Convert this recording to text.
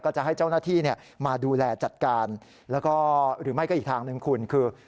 จะให้เจ้าหน้าที่มาดูแลจัดการแล้วก็หรือไม่ก็อีกทางหนึ่งคุณคือ